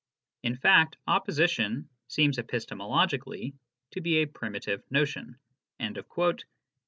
In fact, opposition seems epistemologically to be a primitive notion" (p.